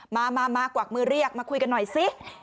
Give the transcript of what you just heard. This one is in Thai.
มากวักมือเรียกมาคุยกันหน่อยสิ